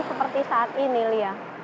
seperti saat ini